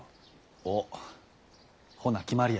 おほな決まりや。